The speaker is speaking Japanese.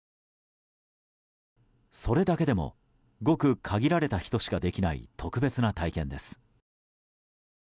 それだけでもごく限られた人しかできない特別な体験です。